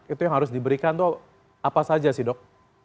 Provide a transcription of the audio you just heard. itu yang harus diberikan itu apa saja sih dok